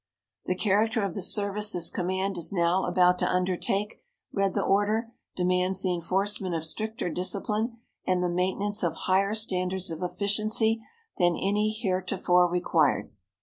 "The character of the service this command is now about to undertake," read the order, "demands the enforcement of stricter discipline and the maintenance of higher standards of efficiency than any heretofore required.